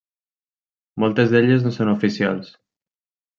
Moltes d'elles no són oficials.